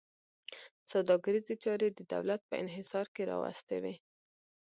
سوداګریزې چارې د دولت په انحصار کې راوستې وې.